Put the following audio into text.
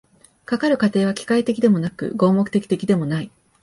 かかる過程は機械的でもなく合目的的でもない。